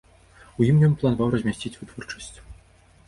У ім ён планаваў размясціць вытворчасць.